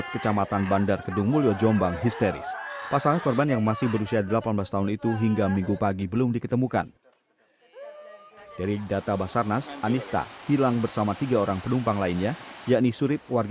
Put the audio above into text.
kau gak mesti kau